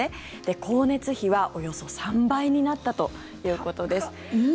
光熱費はおよそ３倍になったということです。